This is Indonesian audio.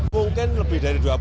mungkin lebih dari dua puluh